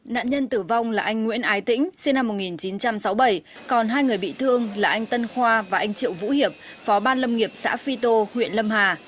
nạn nhân tử vong là anh nguyễn ái tĩnh sinh năm một nghìn chín trăm sáu mươi bảy còn hai người bị thương là anh tân khoa và anh triệu vũ hiệp phó ban lâm nghiệp xã phi tô huyện lâm hà